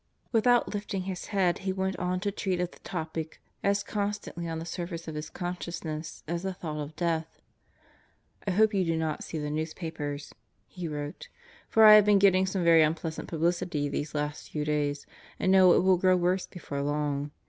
Without lifting his head he went on to treat of the topic as constantly on the surface of his consciousness as the thought of death: "I hope you do not see the newspapers," he wrote, "for I have been getting some very unpleasant publicity these last few days and know it will grow worse before long.